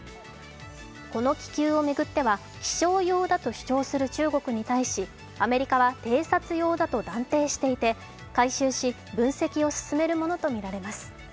この気球を巡っては気象用だと主張する中国に対しアメリカは偵察用だと断定していて回収し、分析を進めるものとみられます。